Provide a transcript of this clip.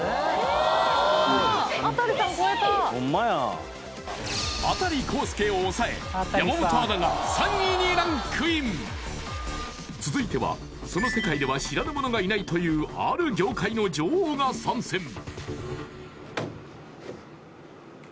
中孝介を抑え山本アナが３位にランクイン続いてはその世界では知らぬ者がいないというある業界の女王が参戦